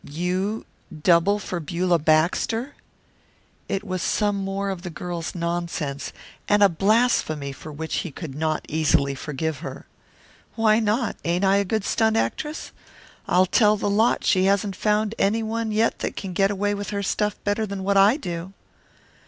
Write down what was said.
"You double for Beulah Baxter?" It was some more of the girl's nonsense, and a blasphemy for which he could not easily forgive her. "Why not? Ain't I a good stunt actress? I'll tell the lot she hasn't found any one yet that can get away with her stuff better than what I do."